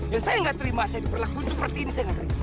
yang saya tidak terima saya diperlakukan seperti ini saya tidak terima